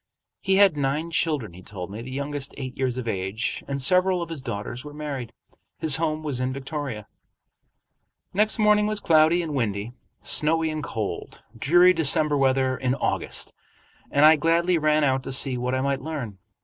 He had nine children, he told me, the youngest eight years of age, and several of his daughters were married. His home was in Victoria. Next morning was cloudy and windy, snowy and cold, dreary December weather in August, and I gladly ran out to see what I might learn.